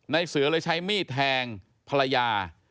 เสือเลยใช้มีดแทงภรรยา